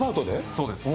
そうです。